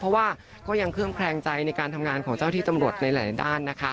เพราะวังคลึ่งก็คลิงแคลงใจว่าการทำงานเจ้าที่จำรวจในหลายด้าน